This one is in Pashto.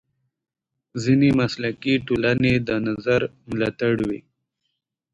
ځینې مسلکي ټولنې دا نظر ملاتړوي.